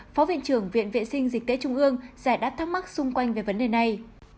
phó viện trưởng viện vệ sinh dịch tễ trung ương giải đáp thắc mắc xung quanh về vấn đề này